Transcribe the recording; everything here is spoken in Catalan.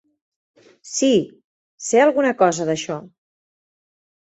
Sí, sé alguna cosa d'això.